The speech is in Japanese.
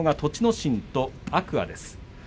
心と天空海です。